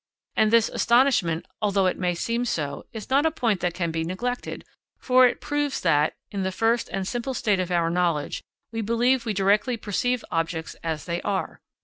And this astonishment, although it may seem so, is not a point that can be neglected, for it proves that, in the first and simple state of our knowledge, we believe we directly perceive objects as they are.